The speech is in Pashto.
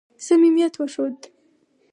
صمیمیت وښود.